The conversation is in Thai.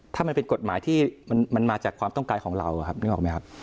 ถ้ามันเป็นกฎหมายที่มันมาจากความต้องการของเรานึกออกไหมครับ